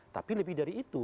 tapi lebih dari itu